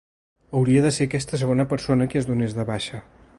Hauria de ser aquesta segona persona qui es donés de baixa.